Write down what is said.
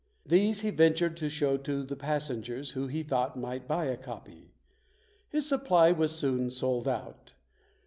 These he ventured to show to the passen gers who he thought might buy a copy. His supply was soon sold out.